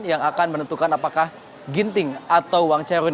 yang akan menentukan apakah ginting atau wang charun